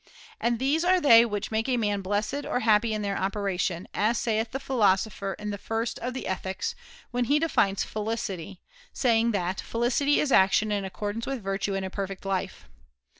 And these are they which make a man blessed or happy in their operation, as saith the Philosopher in the first of the Ethics, when he defines felicity, saying that ' felicity is action in accordance with virtue in a perfect life.'